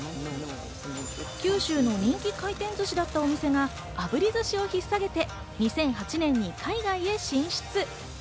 九州の人気回転寿司だったお店が炙り寿司を引っ提げて、２００８年に海外へ進出。